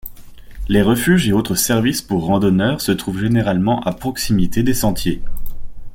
Les refuges et autres services pour randonneurs se trouvent généralement à proximité des sentiers.